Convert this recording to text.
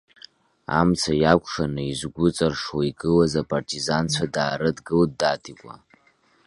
Амца иакәшаны, изгәыҵаршуа игылаз апартизанцәа даарыдгылт Даҭикәа.